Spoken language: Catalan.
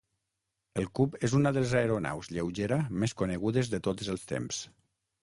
El Cub és una de les aeronaus lleugera més conegudes de tots els temps.